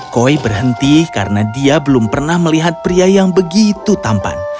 koi berhenti karena dia belum pernah melihat pria yang begitu tampan